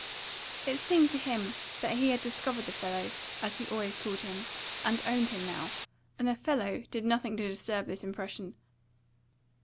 It seemed to him that he had discovered the fellow (as he always called him) and owned him now, and the fellow did nothing to disturb this impression.